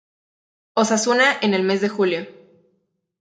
Osasuna en el mes de julio.